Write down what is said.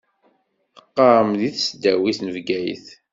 Teqqaṛem di tesdawit n Bgayet.